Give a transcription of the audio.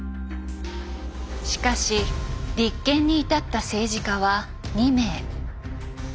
しかし立件に至った政治家は２名。